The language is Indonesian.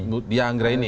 budiahanggra ini ya